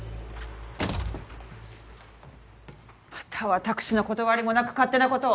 また私の断りもなく勝手なことを。